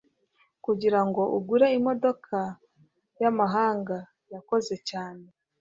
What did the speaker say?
Kugirango agure imodoka yamahanga, yakoze cyane.